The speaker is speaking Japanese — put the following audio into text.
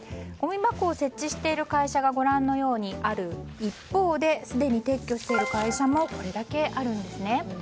ごみ箱を設置している会社がご覧のようにある一方ですでに撤去している会社もこれだけあるんですね。